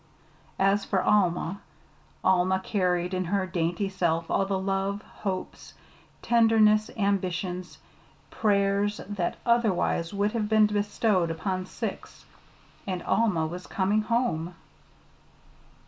As for Alma Alma carried in her dainty self all the love, hopes, tenderness, ambitions, and prayers that otherwise would have been bestowed upon six. And Alma was coming home.